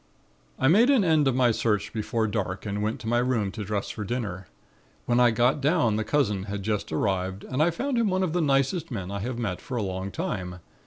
"I made an end of my search before dark and went to my room to dress for dinner. When I got down the cousin had just arrived and I found him one of the nicest men I have met for a long time.